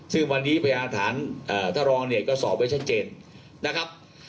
ซึ่งวันนี้พยายามอาธารณ์เอ่อทะลองเนี่ยก็สอบไว้ชัดเจนนะครับ